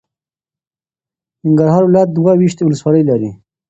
ننګرهار ولایت دوه ویشت ولسوالۍ لري.